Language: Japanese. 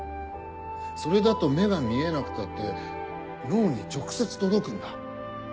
それだと目が見えなくたって脳に直接届くんだ。